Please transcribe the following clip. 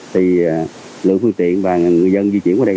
thì lượng phương tiện và người dân di chuyển qua đây